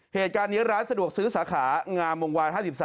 เหตุการณ์นี้ร้านสะดวกซื้อสาขางามวงวาน๕๓